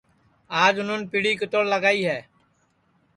آج اُنون پیڑی کِتوڑ لگائی ہے